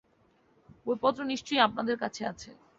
বইপত্র নিশ্চয়ই আপনাদের কাছে আছে।